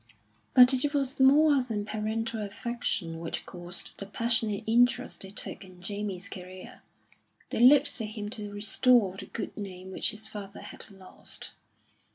But it was more than parental affection which caused the passionate interest they took in Jamie's career. They looked to him to restore the good name which his father had lost.